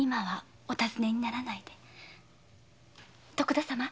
徳田様